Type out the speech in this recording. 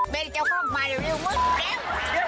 เบนเจ้าข้อออกมาเดี๋ยวมึงแก๊ง